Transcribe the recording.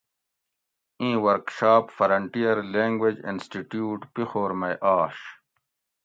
ایں ورکشاپ فرنٹیٔر لینگویج انسٹی ٹیوٹ پیخور مئ آش